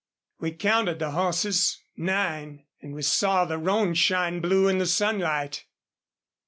We counted the hosses nine. An' we saw the roan shine blue in the sunlight."